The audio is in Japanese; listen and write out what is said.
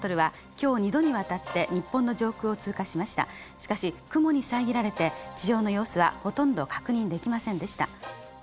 しかし雲に遮られて地上の様子はほとんど確認できませんでした。